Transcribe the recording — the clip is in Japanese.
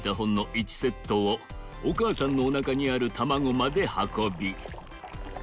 １セットをおかあさんのおなかにあるたまごまではこび